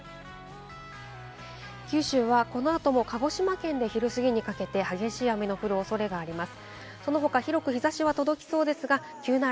九州はこの後も鹿児島県、昼すぎにかけて激しい雨の降るおそれがあります。